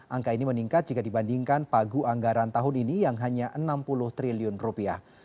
angka ini meningkat jika dibandingkan pagu anggaran tahun ini yang hanya enam puluh triliun rupiah